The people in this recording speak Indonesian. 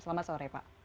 selamat sore pak